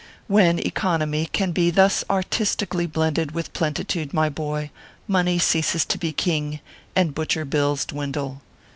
When economy can be thus artistically blended with plentitude, my boy, money ceases to be king, and butcher bills dwindle.